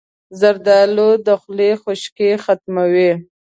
زردالو د خولې خشکي ختموي.